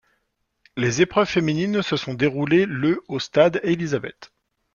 Les épreuves féminines se sont déroulées le au Stade Élisabeth.